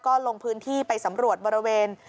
ก็ลงพื้นที่ไปสำรวจบริเวณ